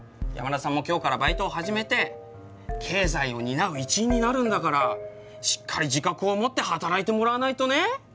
山田さんも今日からバイトを始めて経済を担う一員になるんだからしっかり自覚を持って働いてもらわないとね！